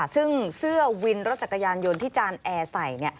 ซึ่งเสื้อวินรถจักรยานยนต์ที่จานแอร์ใส่